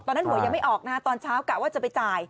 หวยยังไม่ออกนะฮะตอนเช้ากะว่าจะไปจ่าย